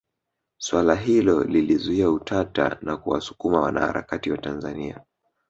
Swala hilo lilizua utata na kuwasukuma wanaharakati wa Tanzania